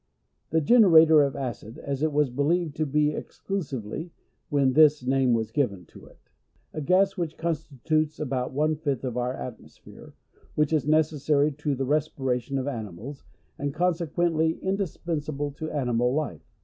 — The generator of acid, as it was believed to be exclusively, when this name was given to it. A gas which con stitutes about one fifth of our at mosphere ; which is necessary to the respiration of animals, and con sequently indispensable to animal life.